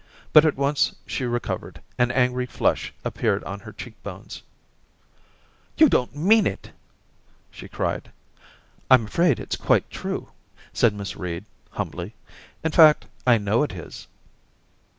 But at once she recovered, an angry flush appeared on her cheek bones. ' You don't mean it ?' she cried. * I'm afraid it's quite true,' said Miss Reed, humbly. * In fact I know it is.'